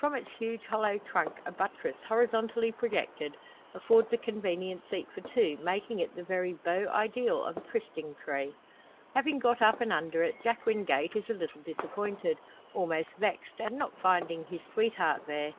From its huge hollow trunk a buttress, horizontally projected, affords a convenient seat for two, making it the very beau ideal of a trysting tree. Having got up and under it, Jack Wingate is a little disappointed almost vexed at not finding his sweetheart there.